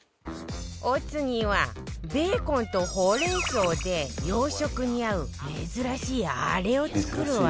お次はベーコンとほうれん草で洋食に合う珍しいあれを作るわよ